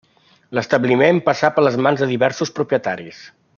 L'establiment passà per les mans de diversos propietaris.